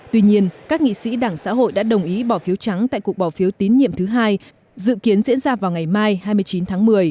tuy nhiên các nghị sĩ đảng xã hội đã đồng ý bỏ phiếu trắng tại cuộc bỏ phiếu tín nhiệm thứ hai dự kiến diễn ra vào ngày mai hai mươi chín tháng một mươi